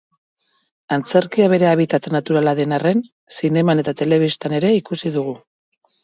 Antzerkia bere habitat naturala den arren, zineman eta telebistan ere ikusi dugu.